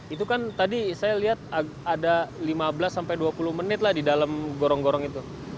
itu kan tadi saya lihat ada lima belas sampai dua puluh menit lah di dalam gorong gorong itu